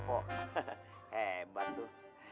kok hebat tuh